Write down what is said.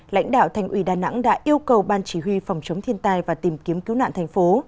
lãnh đạo thành ủy đà nẵng đã yêu cầu ban chỉ huy phòng chống thiên tai và tìm kiếm cứu nạn thành phố